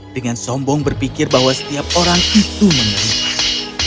dengan sombong berpikir bahwa setiap orang itu mengelipas